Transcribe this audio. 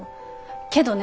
けどね。